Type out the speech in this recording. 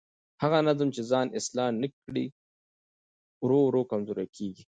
هغه نظام چې ځان اصلاح نه کړي ورو ورو کمزوری کېږي